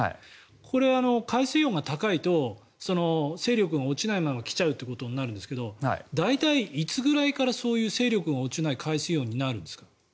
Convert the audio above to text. これは海水温が高いと勢力が落ちないまま来ちゃうということになるんですけど大体いつぐらいから勢力が落ちない海水温になるんですか？